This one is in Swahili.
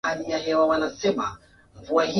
kutokana na mchanganyiko wa jua kali na